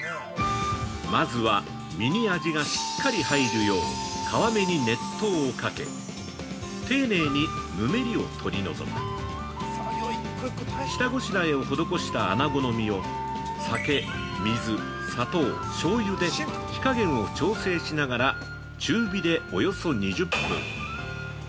◆まずは、身に味がしっかり入るよう皮目に熱湯をかけ、丁寧にぬめりを取り除く、下こしらえを施したあなごの身を酒、水、砂糖、しょうゆで火かげんを調整しながら中火でおよそ２０分。